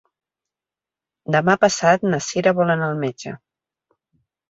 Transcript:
Demà passat na Cira vol anar al metge.